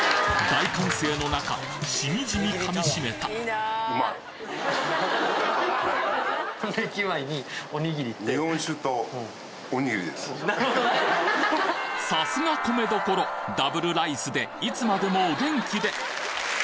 ・大歓声の中しみじみ噛み締めたさすが米どころ！ダブルライスでいつまでもお元気で！